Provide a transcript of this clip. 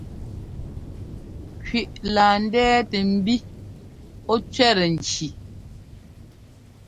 Kẅiʼ laa ndɛ́tɛ mbí ɔ́ cẅɛ́tɛ nki.